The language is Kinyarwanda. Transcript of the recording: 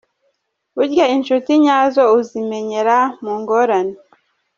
Burya incuti nyazo uzimenyera mu ngorane.